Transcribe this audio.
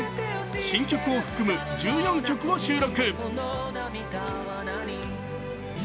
新曲を含む１４曲を収録。